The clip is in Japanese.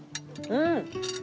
うん！